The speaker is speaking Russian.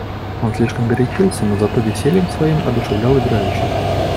Он слишком горячился, но зато весельем своим одушевлял играющих.